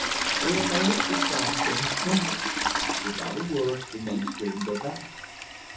In a moment the song changed timbre. Without a word the men straightened their backs.